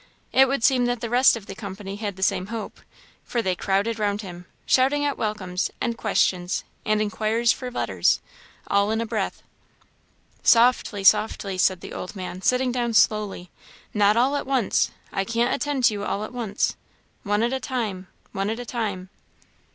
It would seem that the rest of the company had the same hope, for they crowded round him, shouting out welcomes, and questions, and inquiries for letters all in a breath. "Softly softly," said the old man, sitting down, slowly; "not all at once; I can't attend to you all at once; one at a time one at a time."